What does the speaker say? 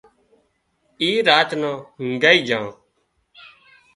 اي راچ نان اونگھائي جھا